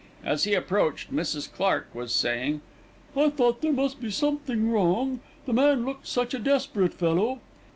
As he approached, Mrs. Clark was saying: "I thought there must be something wrong, the man looked such a desperate fellow."